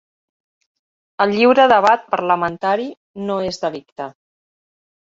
El lliure debat parlamentari no és delicte.